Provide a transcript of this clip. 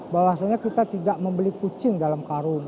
bahwasanya kita tidak membeli kucing dalam karung